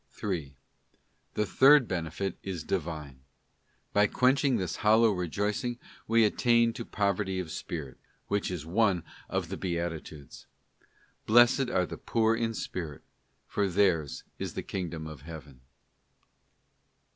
3. The third benefit is Divine; by quenching this hollow rejoicing we attain to poverty of spirit, which is one of the beatitudes: * Blessed are the poor in spirit, for theirs is the kingdom of Heaven.